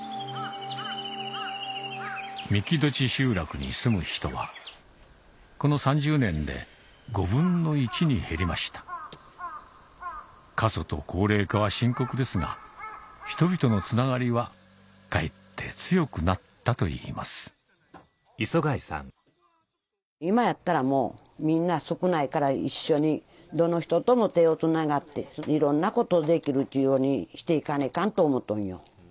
三木枋集落に住む人はこの３０年で５分の１に減りました過疎と高齢化は深刻ですが人々のつながりはかえって強くなったといいます今やったらもうみんな少ないから一緒にどの人とも手をつながっていろんなことできるようにして行かないかんと思うとんよ。